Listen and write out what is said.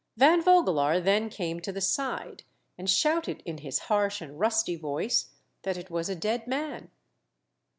Van Voeelaar then came to the side, and shouted in his harsh and rusty voice that it was a dead man.